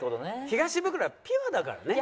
東ブクロはピュアだからね。